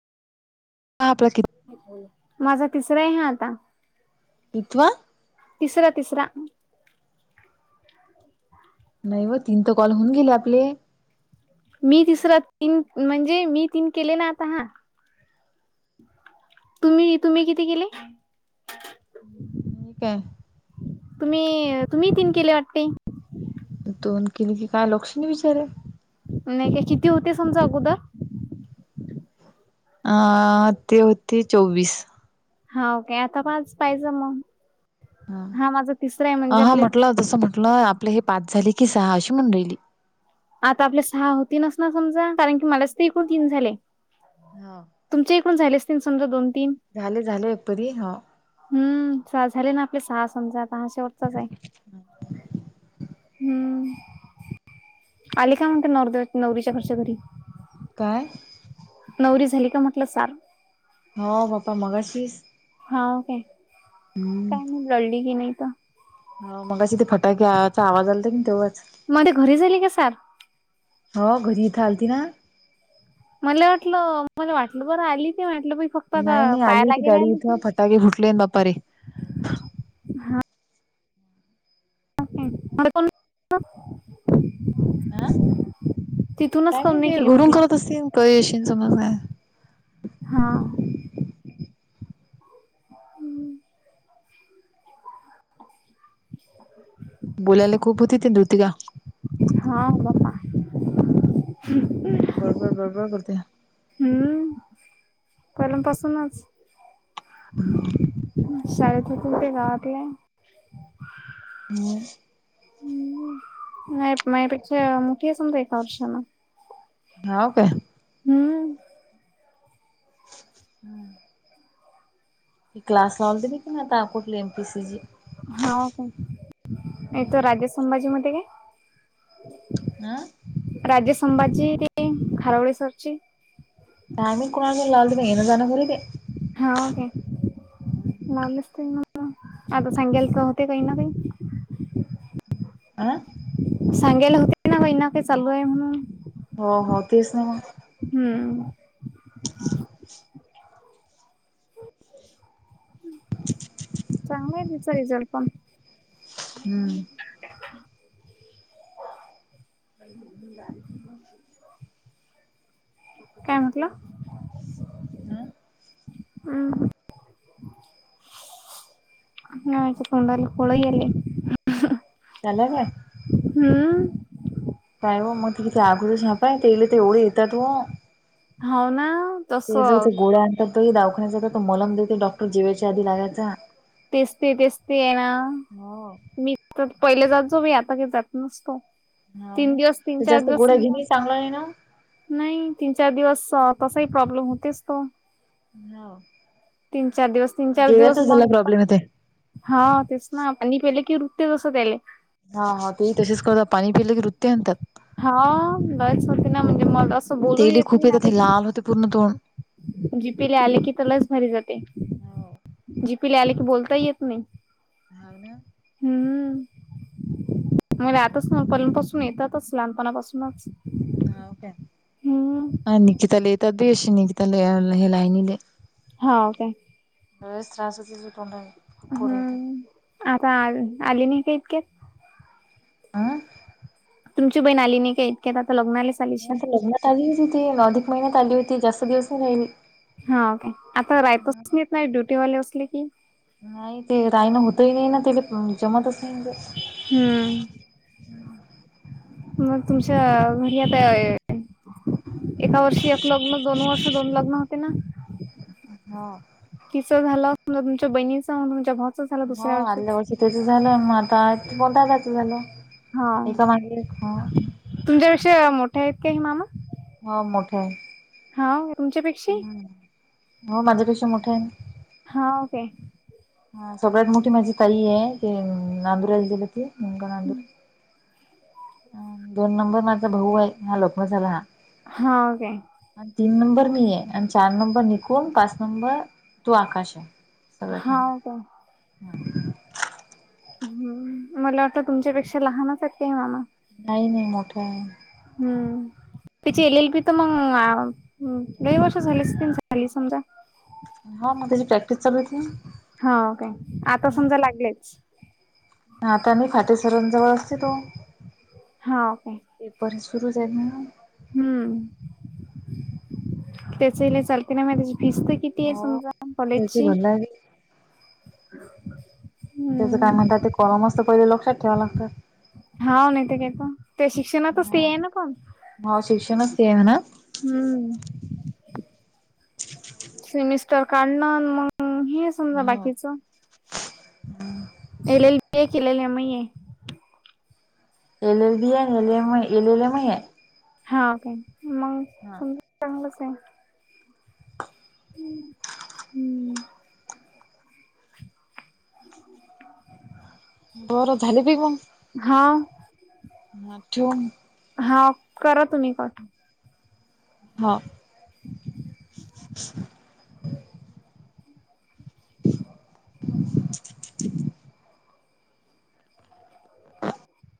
[unintelligible] माझा तिसरा आहे हा आता. अन तुवा? तिसरा तिसरा. नाही व तीन त कॉल होऊन गेले आपले. मी तिसरा तीन म्हणजे मी तीन केले ना आता हां तुम्ही तुम्ही किती केले? मी काय? तुम्ही तुम्ही तीन केले वाटतेय? दोन केले कि काय लक्ष नाई बिचारे. नाही का किती होते समजा अगोदर? अ ते होते चोवीस. हा ओके आता पाच पाहिजं मग हा माझं तिसरं आहे म्हणजे हा आपले म्हटलं जसं म्हटलं आपलं हे पाच झाले की सहा अशी म्हणू राहिली. आता आपले सहा होतीलस ना समजा कारण की, मलाच त ईकूण तीन झाले. हाव. तुमच्या इकडून झाले असतीन समजा दोन तीन. झाले झाले एकपरी हाव. हम्म साहा झाले ना आपले सहा समजा आता हा शेवटचाच आहे हम्म. आली काय मग ते नवरदेव नवरीच्या घरचे घरी? काय? नवरी झाली का? म्हटलं सार. हो बाप्पा मगाशीस. हाव काय? हम् काय नाही लढली की नाहीत मग अशी ते फटाक्याचा आवाज आलत की तेव्हाच मध्ये घरी झाली का सार हो घरी इ थलती ना मला वाटलं मला वाटलं बरं आली ते वाटलं नाही आली होती गाडी इथं फटाके फुटले दपारी ह म कोण नाही नाही ते घुरून करत असतील क येशी समज नाही हा हम्म [unintelligible] बोलायला खूप होती ते ृतिका हा ममा बरोबर बरोबर करते हम्म पहिल्यांपासूनच हम्म सळ क ते राहगला म ह् माझ्यापेक्षा मोठी असम तर एका वर्षाला हा काय ती हम्म हम्म क्लास लावल मी नाही तपठली एम पी सी जी हा काथो राजे संभाजी मध्ये का हा राजे संबाजी खारवळे सरची त्यामही कोणा लाल तम येन जा घरी ते हा ओके लावलेच ते म आता सांगायल का होते काही ना काही आं सांगेल होते नानाक चालू आहे म्हणून हो हो तेच ना मग हम्म चांगला आहे तिचा रिझल्ट पण हम्म [unintelligible] [inaudible] मु काय म्हटलं ह ह हच तडला कोळगले चाला का हा काय मग तेिती आगरच नापय तेले ते एवढे येतताातो हो ना तस ते ज हो गोड आणतात त दाखण्याचा हो मलम देते डॉक्टर जेवाच्या आधी लागयचा तेचते तेचते आहे ना मी तर पहिले जात जो मी आता क जात नसतो हाव तीन ना दिवस तीन ते चार जास्त दिवस गोळ्या समजा घेणे चांगलं नाही नाही तीन चार दिवस तसाही प्रॉब्लेम होतेस तो ना हो तीन चार दिवस तीन चार दिवस जेवायचाच झाला मग प्रॉब्लेम हा तेच ना पनी पेले की रुत्य जस त्याले. हा हा ते तसेच करतात पाणी पिलं की वृत्य आणतात. हा लयच होते ना म्हणजे म असं बोलू येत मी ना मला ते पूर्ण तो जीपीले आले की त्या लच भरी जाते. हो जीपीला आले की बोलता येत नाही. [unintelligible] हम्म, मला आतच ना पलंतपासून येतातच लहान पणा पासूनच हाव काय, निकिताल येतात बी अशी निकिताल हे लानले हा ओके. [inaudible] लयच त्रास होते तोडाले, फोड होते. हम्म आता आ आली नाही का इतक्या? हम तुमची बहीण आली नाही का इतक्यात आता लग्ना आले आता लग्नात आली होती अधिक महिन्यात आली होती जास्त दिवस नाही राहीली. हा ओके आता रायतच नाहीेत नाही ड्युटीवाले असले की, नाही ते रायनं होतही नाही ना ते जमतच नाही ते हम्म [inaudible] मग तुमच्या घरी आता एका वर्षी एक लग्न दोन वर्ष दोन लग्न होते ना? हा तिचं झालं तुमच्या बहिणीचा तुमच्या झालं हो दुसऱ्या आदल्या वर्षीच वर्षी त्याच झालं मग आता म दादाचं झालं- एका मां तुमच्यावि विषयी मोठ्या आहेत का ह मामा. हा मोठा आहे. हा तुमच्यापेक्षा, हम्, हो माझ्यापेक्षा मोठा आहे. हाव काय [inaudible] हा सगळ्यात मोठी माझी ताई आहे ते नांदुराला दिेलंती मुग नांदूर दोन नंबर माझा भाऊ आहे हा लोखम झाला हा हो काय, आणि तीन नंबर मी आहे, आणि चार नंबर निकून पाच नंबर तू आकाश आहे. सगळ्यात भा हाव काय हम्म मला वाटत तुमच्यापेक्षा लहानचक मामा नाही नाही मोठं आहे. हम्म, त्याची एल एल पी तर मग लय वर्ष झाली तीन झाली समजा हा मग तेची प्रॅक्टिस चालू आहेत ना. हो काय, आता समजा लागलेच. आता नाही फातेसरांजवळ असते तो, हाव काय, पेपर सुरू झा आहे ना, हम्म [inaudible] त्याच इला चालते ना म त्याची फीसते किती आहे हो समजा त्याची कॉलेजची, [inaudible] भरला की त्याचं काय म्हणतात ते कॉल मस्त पहिले लक्षात ठेवाव लागतात. हा नाही ते कात ते शिक्षणातच ते आहे ना कोण ह शिक्षण ते आहे ना? हम्म सेमिस्टर काढण मग हे समजा हो बाकीच, [inaudible] एल. एल. केलेले आहे म, एल एल बी आहे L M L L M आहे हा ओके मग हा समजा चांगलंच आहे ह हम्म बरं झाले बी पण हा म हा करा तुम्ही कर हा